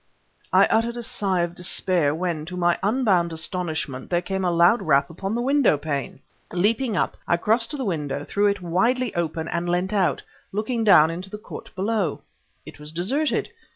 I uttered a sigh of despair, when, to my unbounded astonishment, there came a loud rap upon the window pane! Leaping up, I crossed to the window, threw it widely open and leant out, looking down into the court below. It was deserted.